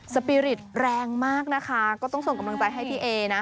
สปีริตแรงมากนะคะก็ต้องส่งกำลังใจให้พี่เอนะ